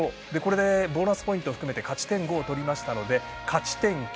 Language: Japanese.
ボーナスポイント含めて勝ち点５を取りましたので勝ち点９。